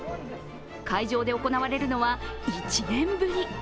会場で行われるのは１年ぶり。